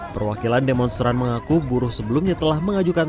perwakilan demonstran mengaku buruh sebelumnya telah mengajukan